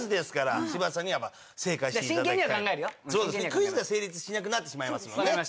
クイズが成立しなくなってしまいますもんね。